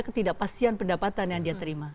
ketidakpastian pendapatan yang dia terima